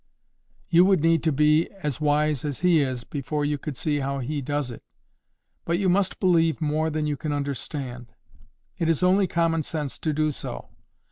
"You would need to be as wise as He is before you could see how He does it. But you must believe more than you can understand. It is only common sense to do so.